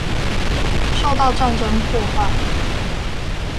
受到戰爭破壞